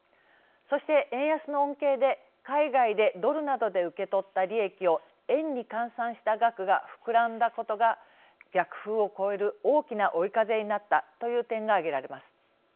そして、円安の恩恵で海外でドルなどで受け取った利益を円に換算した額が膨らんだことが逆風を超える大きな追い風になったという点が挙げられます。